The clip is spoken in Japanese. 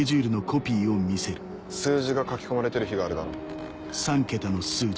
数字が書き込まれてる日があるだろ。